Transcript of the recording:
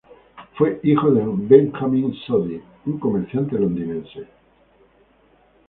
Fue hijo de Benjamín Soddy, un comerciante londinense.